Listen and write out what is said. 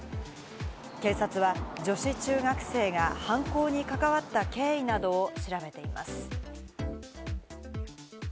警察は女子中学生が犯行に関わった経緯などを調べています。